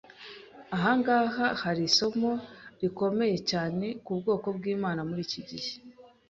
Ahangaha hari isomo rikomeye cyane ku bwoko bw’Imana muri iki gihe